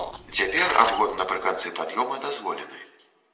Цяпер абгон напрыканцы пад'ёма дазволены.